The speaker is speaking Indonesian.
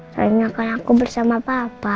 karena aku bersama papa